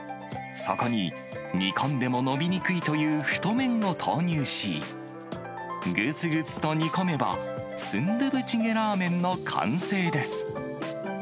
そこに煮込んでも伸びにくいという太麺を投入し、ぐつぐつと煮込めば、スンドゥブチゲらーめんの完成です。